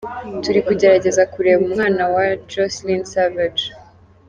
Turi kugerageza kureba umwana wacu Joycelyn Savage.